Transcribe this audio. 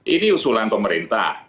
ini usulan pemerintah